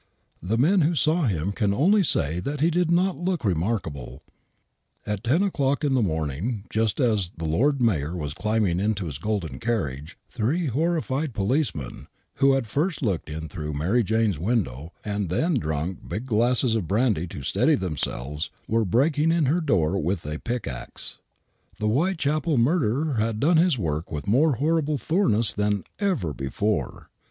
The men who saw him can onlv sav that he did not look remarkable. i ~^{\'^^? TME MURDKKER ATTACKS HIS VICTIM. At 10 o'clock in the morning, just as the Lord Mayor was climbing into his golden carriage, three horrified policemen, who had first looked in through Mary Jane's window and then drunk ^L.^j£^flD(^i^.l' . THE WHITECHAPEL MURDERS 49 big glasses of brandy to steady themselves, were breaking in her door with a pickaxe. The Whitechapel murderer had done his work with more horrible thoroughness than ever before.